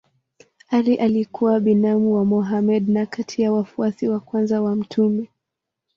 Ali alikuwa binamu wa Mohammed na kati ya wafuasi wa kwanza wa mtume.